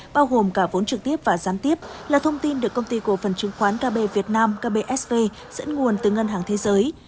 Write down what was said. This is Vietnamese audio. bao gồm cả vốn trực tiếp và gián tiếp là thông tin được công ty cổ phần chứng khoán kb việt nam kbsv dẫn nguồn từ ngân hàng thế giới